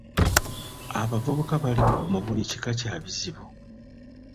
Abavubuka bali mu buli kika kya bizibu.